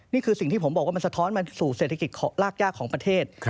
นี่คือสิ่งที่ผมบอกว่ามันสะท้อนมาสู่เศรษฐกิจรากยากของประเทศ